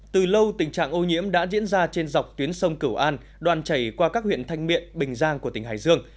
từ lâu tình trạng ô nhiễm đã diễn ra trên dọc tuyến sông cửu an đoàn chảy qua các huyện thanh miện bình giang của tỉnh hải dương